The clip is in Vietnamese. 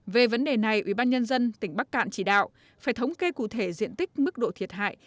về vấn đề này ubnd tỉnh bắc cạn chỉ đạo phải thống kê cụ thể diện tích mức độ thiệt hại